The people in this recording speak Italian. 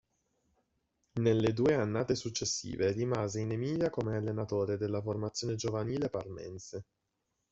Nelle due annate successive rimase in Emilia come allenatore della formazione giovanile parmense.